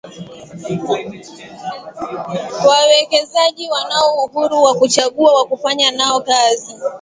Wawekezaji wanao uhuru wa kuchagua wa kufanya nao kazi